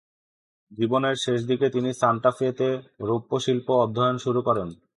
জীবনের শেষ দিকে তিনি সান্টা ফেতে রৌপ্যশিল্প অধ্যয়ন শুরু করেন।